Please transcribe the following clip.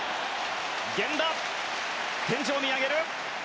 源田、天井を見上げる。